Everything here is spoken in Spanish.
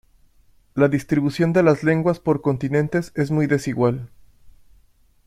La distribución de las lenguas por continentes es muy desigual.